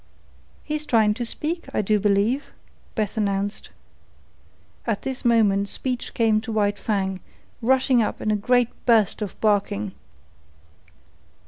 "He's trying to speak, I do believe," Beth announced. At this moment speech came to White Fang, rushing up in a great burst of barking.